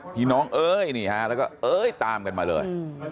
พี่น้องเอ้ยแล้วก็เอ้ยตามกันมาเลย